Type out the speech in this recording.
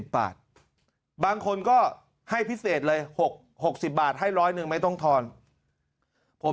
บางคนก็ให้พิเศษเลย๖๐บาทให้ร้อยหนึ่งไม่ต้องทอนผม